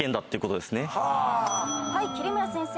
はい桐村先生。